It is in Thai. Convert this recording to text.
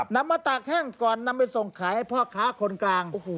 นำมาตากแห้งก่อนนำไปส่งขายให้พ่อค้าคนกลาง